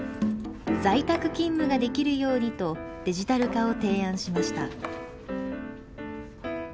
在宅勤務ができるようにとデジタル化を提案しました。